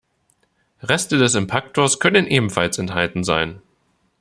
Reste des Impaktors können ebenfalls enthalten sein.